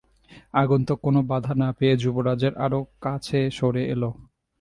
আগন্তুক কোনো বাধা না পেয়ে যুবরাজের আরো কাছে সরে এল।